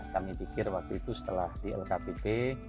kami pikir waktu itu setelah di lkpp